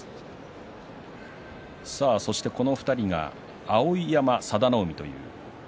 この２人が碧山、佐田の海。